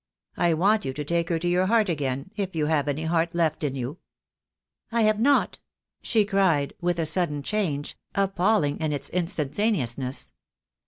I want you to take her to your heart again, if you have any heart left in you." "I have not," she cried, with a sudden change, ap palling in its instantaneousness.